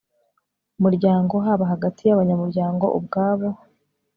muryango haba hagati y abanyamuryango ubwabo